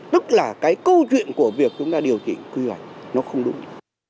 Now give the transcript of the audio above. tức là cái câu chuyện của việc chúng ta điều chỉnh quy hoạch nó không đúng